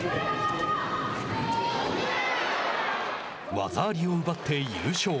技ありを奪って優勝。